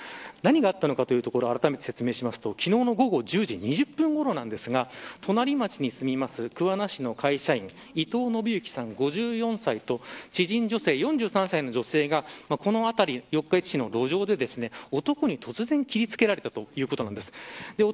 何があったのかあらためて説明しますと昨日の午後１０時２０分ごろですが隣町に住みます桑名市の会社員伊藤信幸さん、５４歳と知人女性、４３歳の女性がこのあたり、四日市市の路上で男に突然、切り付けられたということです。